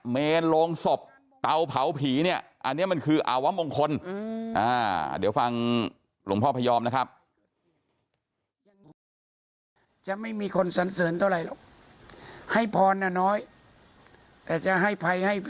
เมนโรงศพเตาเผาผีเนี่ยอันนี้มันคืออาวะมงคลเดี๋ยวฟังหลวงพ่อพยอมนะครับ